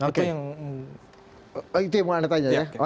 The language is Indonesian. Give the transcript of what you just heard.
oke itu yang mau anda tanya ya